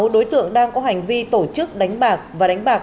sáu đối tượng đang có hành vi tổ chức đánh bạc và đánh bạc